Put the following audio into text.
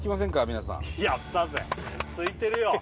皆さんやったぜすいてるよ